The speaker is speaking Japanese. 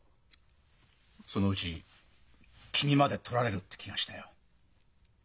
そのうち君までとられるって気がしたよ。